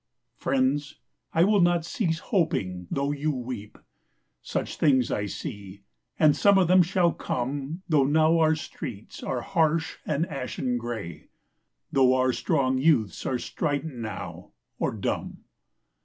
Friends, I will not cease hoping though you weep. Such things I see, and some of them shall come, Though now or streets are harsh and ashen gray, Though our strong youths are strident now, or dumb.